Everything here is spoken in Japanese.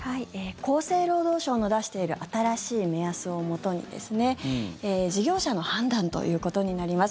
厚生労働省の出している新しい目安をもとにですね事業者の判断ということになります。